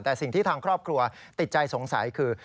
แต่สิ่งที่ทางครอบครัวติดใจสงสัยคือ